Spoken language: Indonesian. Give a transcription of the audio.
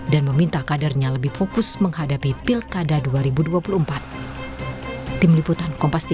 dan meminta kadernya lebih fokus menghadapi pilkada dua ribu dua puluh empat